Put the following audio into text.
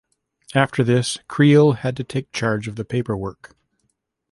After this, Creel had to take charge of the paperwork.